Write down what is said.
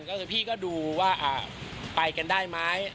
ก็คือพี่ก็ดูว่าไปกันได้ไหม